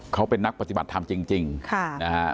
เขาเป็นนักปฏิบัติธรรมจริงนะฮะ